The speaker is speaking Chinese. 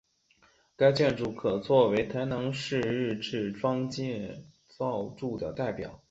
该建筑可做为台南市日治砖造建筑的代表。